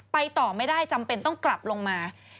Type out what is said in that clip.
ต่อไม่ได้จำเป็นต้องกลับลงมา